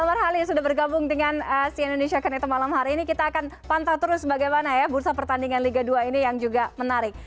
kabar hal yang sudah bergabung dengan si indonesia connected malam hari ini kita akan pantau terus bagaimana ya bursa pertandingan liga dua ini yang juga menarik